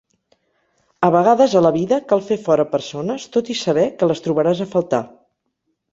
A vegades, a la vida cal fer fora a persones tot i saber que les trobaràs a faltar.